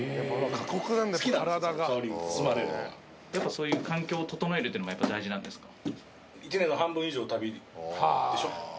そういう環境を整えるっていうのがやっぱ大事なんですか？